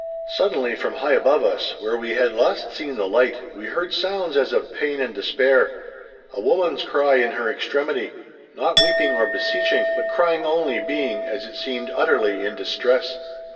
Suddenly from high above us, where we had last seen the light, we heard sounds as of pain and despair—a woman's cry in her extremity—not weeping or beseeching, but crying only, being, as it seemed, utterly in distress.